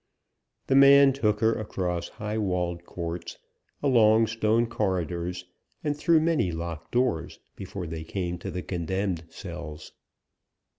The man took her across high walled courts, along stone corridors, and through many locked doors, before they came to the condemned cells.